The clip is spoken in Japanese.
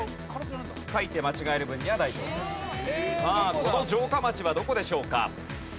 さあこの城下町はどこでしょうか？